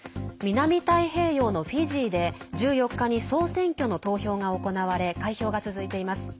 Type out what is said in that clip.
南太平洋のフィジーで１４日に総選挙の投票が行われ開票が続いています。